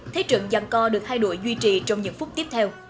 thế trận giàn co được hai đội duy trì trong những phút tiếp theo